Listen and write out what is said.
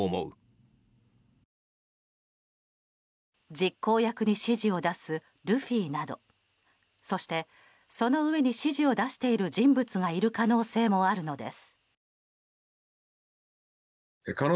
実行役に指示を出すルフィなどそして、その上に指示を出している人物がいる可能性もあるのです。